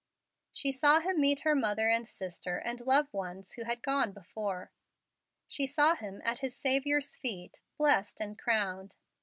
She saw him meet her mother and sister, and other loved ones who had gone before. She saw him at his Saviour's feet, blessed and crowned.